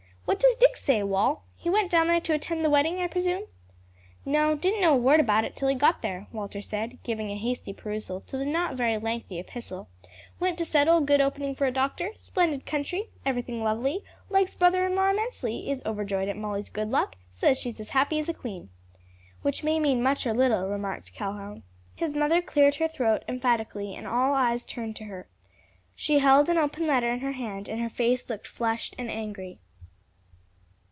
What does Dick say, Wal? He went down there to attend the wedding, I presume?" "No; didn't know a word about it till he got there," Walter said, giving a hasty perusal to the not very lengthy epistle; "went to settle; good opening for a doctor; splendid country, everything lovely, likes brother in law immensely, is overjoyed at Molly's good luck, says she's as happy as a queen." "Which may mean much or little," remarked Conly. His mother cleared her throat emphatically, and all eyes turned to her. She held an open letter in her hand, and her face looked flushed and angry.